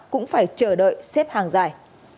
cũng phải chờ đợi xếp hàng dài